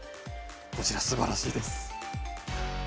こちらすばらしいです。